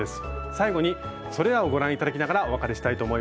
最後にそれらをご覧頂きながらお別れしたいと思います。